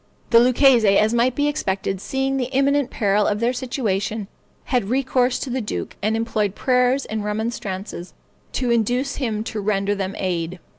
The Lucchese, as might be expected, seeing the imminent peril of their situation, had recourse to the duke, and employed prayers and remonstrances to induce him to render them aid.